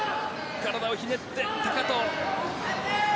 体をひねって、高藤。